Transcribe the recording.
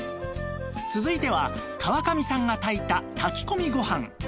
続いては川上さんが炊いた炊き込みご飯